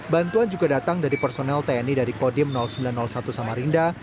bantuan juga datang dari personel tni dari kodim sembilan ratus satu samarinda